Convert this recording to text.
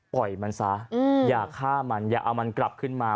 ปล่อยมันซะอย่าฆ่ามันอย่าเอามันกลับขึ้นมา